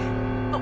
あ。